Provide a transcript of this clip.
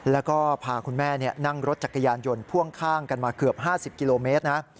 แล้วก็พาคุณแม่นั่งรถจักรยานยนต์พ่วงข้างกันมาเกือบ๕๐กิโลเมตรนะ